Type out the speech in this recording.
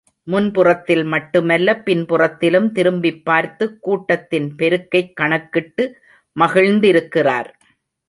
முன்புறத்தில் மட்டுமல்ல பின்புறத்திலும் திரும்பிப்பார்த்து கூட்டத்தின் பெருக்கைக் கணக்கிட்டு மகிழ்ந்திருக்கிறார்.